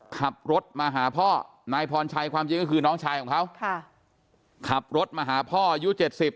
ขับรถมาหาพ่อนายพรชัยความจริงก็คือน้องชายของเขาขับรถมาหาพ่อยู่๗๐